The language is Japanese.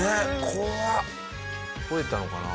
怖っ！ほえたのかな？